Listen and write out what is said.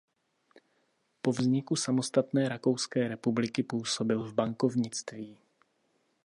Po vzniku samostatné Rakouské republiky působil v bankovnictví.